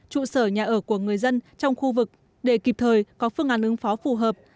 trụ sở nhà ở của người dân trong khu vực để kịp thời có phương án ứng phó phù hợp